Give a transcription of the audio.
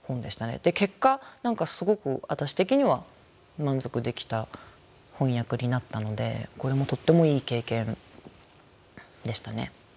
結果何かすごくわたし的には満足できた翻訳になったのでこれもとってもいい経験でしたね。